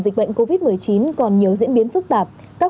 xin chào và hẹn gặp lại